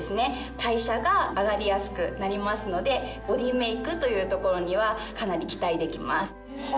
代謝が上がりやすくなりますのでボディメイクというところにはかなり期待できます。